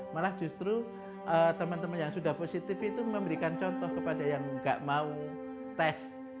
malah justru teman teman yang sudah positif itu memberikan contoh kepada yang nggak mau tes